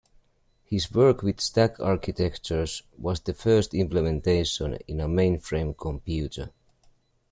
His work with stack architectures was the first implementation in a mainframe computer.